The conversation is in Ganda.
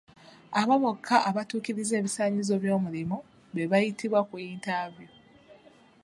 Abo bokka abatuukiriza ebisaanyizo by'omulimu be bayitibwa ku yintaaviyu.